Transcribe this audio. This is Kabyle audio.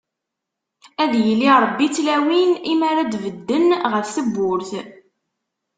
Ad yili Ṛebbi d tlawin, i mi ara d-bedden ɣef tewwurt.